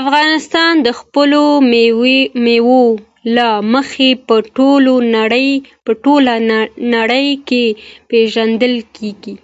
افغانستان د خپلو مېوو له مخې په ټوله نړۍ کې پېژندل کېږي.